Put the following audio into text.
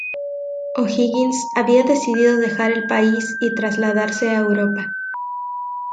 O’Higgins había decidido dejar el país y trasladarse a Europa.